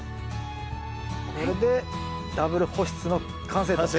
これでダブル保湿の完成です。